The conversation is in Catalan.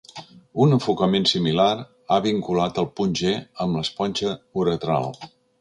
Un enfocament similar ha vinculat el punt G amb l'esponja uretral.